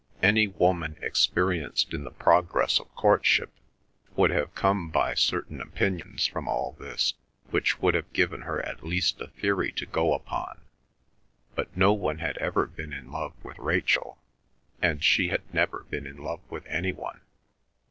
Any woman experienced in the progress of courtship would have come by certain opinions from all this which would have given her at least a theory to go upon; but no one had ever been in love with Rachel, and she had never been in love with any one.